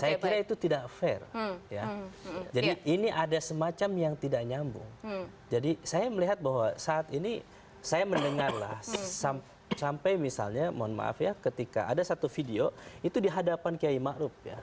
saya kira itu tidak fair ya jadi ini ada semacam yang tidak nyambung jadi saya melihat bahwa saat ini saya mendengarlah sampai misalnya mohon maaf ya ketika ada satu video itu di hadapan kiai ⁇ maruf ⁇ ya